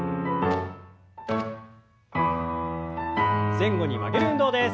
前後に曲げる運動です。